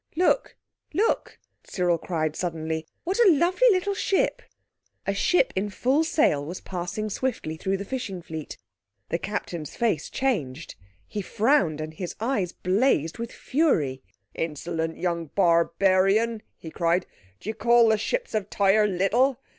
"Look, look!" Cyril cried suddenly; "what a lovely little ship!" A ship in full sail was passing swiftly through the fishing fleet. The Captain's face changed. He frowned, and his eyes blazed with fury. "Insolent young barbarian!" he cried. "Do you call the ships of Tyre _little?